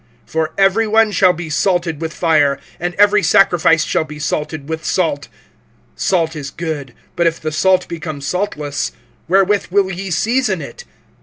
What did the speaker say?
(49)For every one shall be salted with fire, and every sacrifice shall be salted with salt. (50)Salt is good; but if the salt become saltless, wherewith will ye season it?